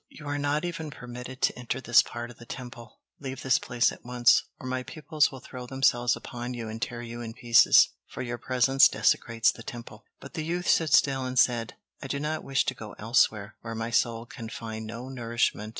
You are not even permitted to enter this part of the Temple. Leave this place at once, or my pupils will throw themselves upon you and tear you in pieces, for your presence desecrates the Temple." But the youth stood still, and said: "I do not wish to go elsewhere, where my soul can find no nourishment.